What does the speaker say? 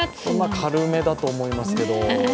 軽めだと思いますけど。